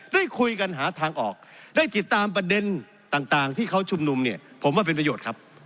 ได้คุยกันหาทางออกได้ติดตามประเด็นต่างที่เขาชุมนุมเนี่ยผมว่าเป็นประโยชน์ครับ